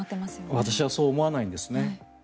私はそう思わないんですね。